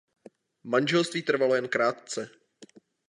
Manželství trvalo jen krátce.